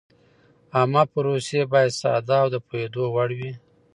عامه پروسې باید ساده او د پوهېدو وړ وي.